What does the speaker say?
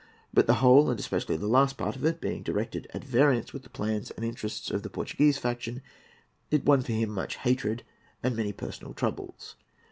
But the whole, and especially the last part of it, being directly at variance with the plans and interests of the Portuguese faction, it won for him much hatred and many personal troubles.